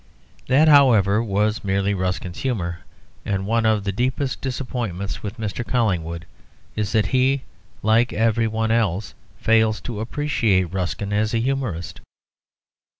That, however, was merely Ruskin's humour, and one of the deepest disappointments with Mr. Collingwood is that he, like everyone else, fails to appreciate Ruskin as a humourist.